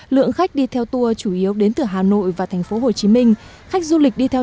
lượng khách đi theo tour chủ yếu đến từ hà nội và thành phố hồ chí minh khách du lịch đi theo